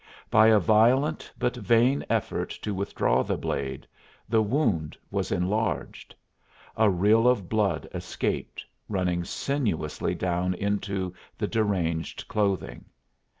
By a violent but vain effort to withdraw the blade the wound was enlarged; a rill of blood escaped, running sinuously down into the deranged clothing.